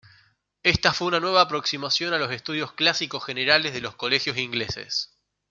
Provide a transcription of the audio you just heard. Esta fue una nueva aproximación a los estudios clásicos generales de los colegios ingleses.